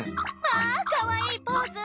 わあかわいいポーズ！